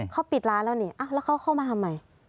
เขาปิดร้านแล้วนี่แล้วเขาเข้ามาทำไม